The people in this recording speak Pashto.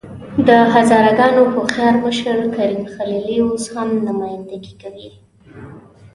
د هزاره ګانو هوښیار مشر کریم خلیلي اوس هم نمايندګي کوي.